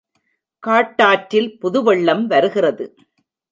காட்டாற்றில் புதுவெள்ளம் வருகிறது.